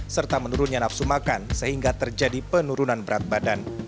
serta menurunnya nafsu makan sehingga terjadi penurunan berat badan